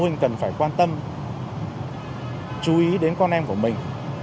phụ huynh cần phải quan tâm chú ý đến con em của mình